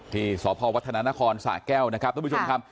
ที่สพวัฒนานครสะแก้วนะครับทุกผู้ชมครับ